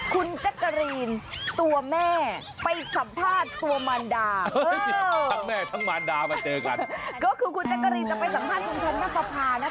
คุณแจ๊กกะรีนตัวแม่ไปสัมภาษณ์ตัวมารดาเออคือคุณแจ๊กกะรีนจะไปสัมภาษณ์คุณแพทย์นักภาพนะคะ